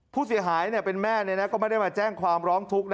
ผู้เสียหายเป็นแม่ก็ไม่ได้มาแจ้งความร้องทุกข์